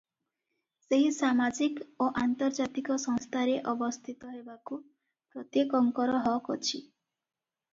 ସେହି ସାମାଜିକ ଓ ଆନ୍ତର୍ଜାତିକ ସଂସ୍ଥାରେ ଅବସ୍ଥିତ ହେବାକୁ ପ୍ରତ୍ୟେକଙ୍କର ହକ ଅଛି ।